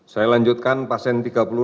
saya lanjutkan pasien tiga puluh delapan